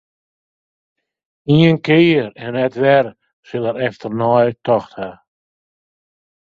Ien kear en net wer sil er efternei tocht hawwe.